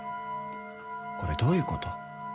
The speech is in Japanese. これどういうこと？